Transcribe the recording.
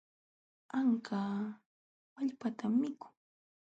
Anka wallpatan mikun.